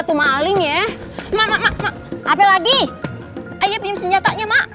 tuh maling ya